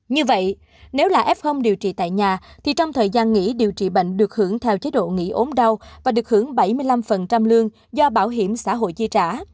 như vậy nếu là f điều trị tại nhà thì trong thời gian nghỉ điều trị bệnh được hưởng theo chế độ nghỉ ốm đau và được hưởng bảy mươi năm lương do bảo hiểm xã hội chi trả